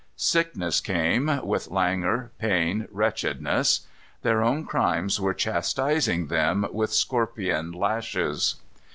Sickness came, with languor, pain, wretchedness. Their own crimes were chastising them with scorpion lashes.